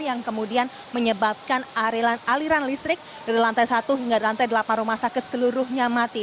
yang kemudian menyebabkan aliran listrik dari lantai satu hingga lantai delapan rumah sakit seluruhnya mati